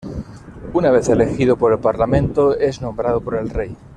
Una vez elegido por el Parlamento, es nombrado por el Rey.